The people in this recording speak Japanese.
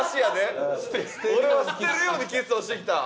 「俺は捨てるようにキスをしてきた」？